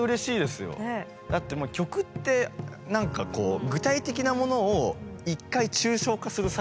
だってもう曲って何かこう具体的なものを一回抽象化する作業なんですよね。